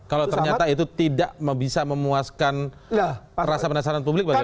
kalau ternyata itu tidak bisa memuaskan rasa penasaran publik bagaimana